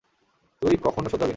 তুই কখনও শোধরাবি না।